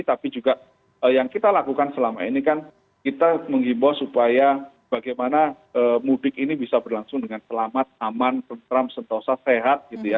tapi juga yang kita lakukan selama ini kan kita menghimbau supaya bagaimana mudik ini bisa berlangsung dengan selamat aman tentram sentosa sehat gitu ya